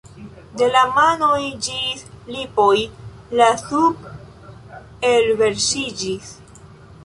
De la manoj ĝis lipoj la sup' elverŝiĝis.